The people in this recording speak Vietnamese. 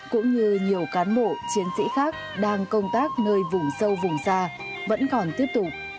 cũng như nhiều cán bộ chiến sĩ khác đang công tác nơi vùng sâu vùng xa vẫn còn tiếp tục